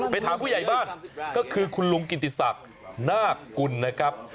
ถามผู้ใหญ่บ้านก็คือคุณลุงกิติศักดิ์นาคกุลนะครับ